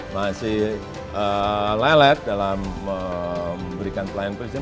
masih lelet dalam memberikan pelayanan prinsip